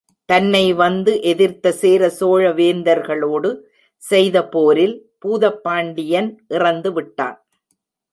தன்னை வந்து எதிர்த்த சேர சோழ வேந்தர்களோடு செய்த போரில் பூதப்பாண்டியன் இறந்து விட்டான்.